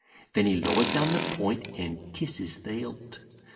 Then he lowers down the point, and kisses the hilt.